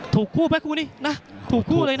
ถูกคู่ไหมคู่นี้นะถูกคู่เลยนะ